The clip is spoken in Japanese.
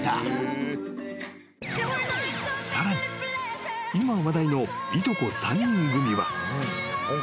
［さらに今話題のいとこ３人組は］